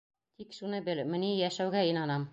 Тик шуны бел: мни йәшәүгә инанам.